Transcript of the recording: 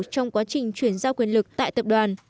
trong quá trình chuyển giao quyền lực tại tập đoàn